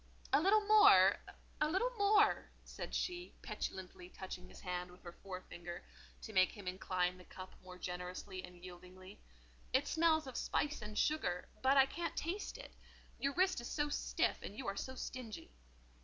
"A little more—a little more," said she, petulantly touching his hand with the forefinger, to make him incline the cup more generously and yieldingly. "It smells of spice and sugar, but I can't taste it; your wrist is so stiff, and you are so stingy."